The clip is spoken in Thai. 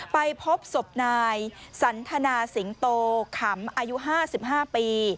ไปพบศพนายสันทนาสิงโตขำอายุ๕๕ปี